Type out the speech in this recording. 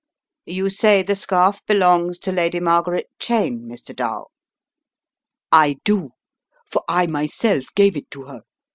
You say the scarf belongs to Lady Margaret Cheyne, Mr. Dall?" "I do. For I myself gave it to her.